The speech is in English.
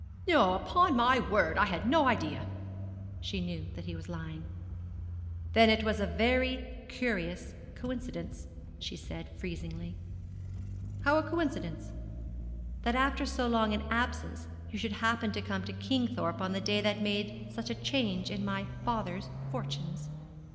'No, upon my word. I had no idea!' She knew that he was lying. 'Then it was a very curious coincidence,' she said freezingly. 'How a coincidence?' 'That after so long an absence you should happen to come to Kingthorpe on the day that made such a change in my father's fortunes.'